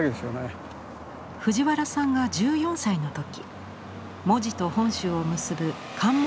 藤原さんが１４歳の時門司と本州を結ぶ関門